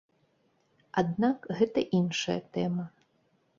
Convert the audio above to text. Аднак гэта іншая тэма.